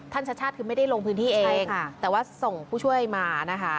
ชัชชาติคือไม่ได้ลงพื้นที่เองแต่ว่าส่งผู้ช่วยมานะคะ